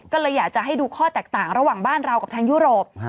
ก็เลยอยากจะให้ดูข้อแตกต่างระหว่างบ้านเรากับทางยุโรป